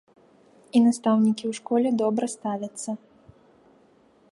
І настаўнікі ў школе добра ставяцца.